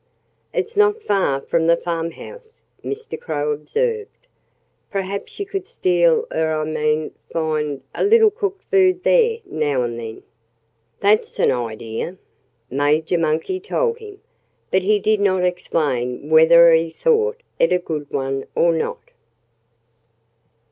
"It's not far from the farmhouse," Mr. Crow observed. "Perhaps you could steal er I mean find a little cooked food there now and then." "That's an idea," Major Monkey told him. But he did not explain whether he thought it a good one or not.